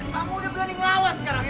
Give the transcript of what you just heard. kamu udah berani ngelawan sekarang ya